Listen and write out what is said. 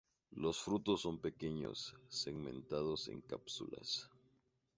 Los frutos son pequeños, segmentado en cápsulas.